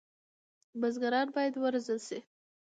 بزګران باید وروزل شي.